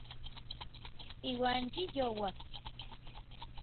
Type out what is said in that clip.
Iuan yi youak.